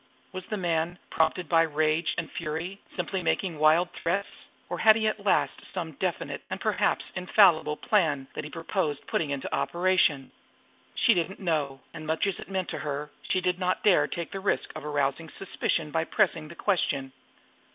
Was the man, prompted by rage and fury, simply making wild threats, or had he at last some definite and perhaps infallible plan that he purposed putting into operation? She did not know; and, much as it meant to her, she did not dare take the risk of arousing suspicion by pressing the question.